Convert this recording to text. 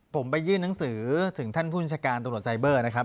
ผมไปยื่นหนังสือถึงท่านผู้บัญชาการตำรวจไซเบอร์นะครับ